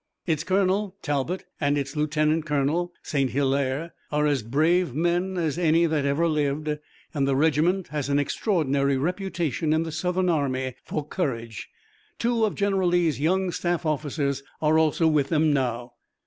Its colonel, Talbot, and its lieutenant colonel, St. Hilaire, are as brave men as any that ever lived, and the regiment has an extraordinary reputation in the Southern army for courage. Two of General Lee's young staff officers are also with them now."